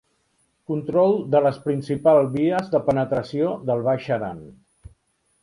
Control de les principals vies de penetració del Baix Aran.